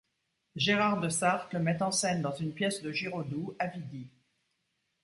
Gérard Desarthes le met en scène dans une pièce de Giraudoux à Vidy.